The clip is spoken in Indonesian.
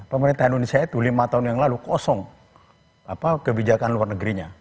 pemerintah indonesia itu lima tahun yang lalu kosong kebijakan luar negerinya